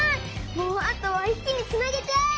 もうあとは一気につなげちゃえ！